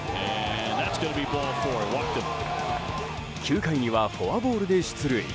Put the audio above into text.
９回にはフォアボールで出塁。